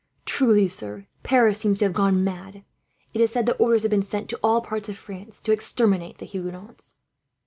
"Truly, sir, Paris seems to have gone mad. It is said that orders have been sent, to all parts of France, to exterminate the Huguenots."